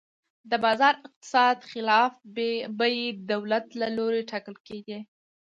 د بازار اقتصاد خلاف بیې د دولت له لوري ټاکل کېدې.